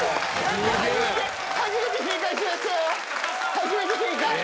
初めて正解！